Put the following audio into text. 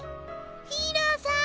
ヒーローさん